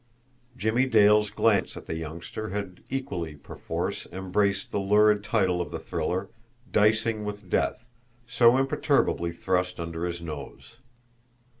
Jimmie Dale's glance at the youngster had equally, perforce, embraced the lurid title of the thriller, "Dicing with Death," so imperturbably thrust under his nose.